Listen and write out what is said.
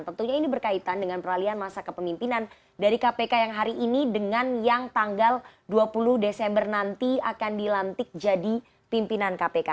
tentunya ini berkaitan dengan peralian masa kepemimpinan dari kpk yang hari ini dengan yang tanggal dua puluh desember nanti akan dilantik jadi pimpinan kpk